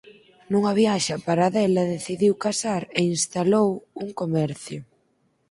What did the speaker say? Nunha viaxe a Paradela decidiu casar e instalou un comercio.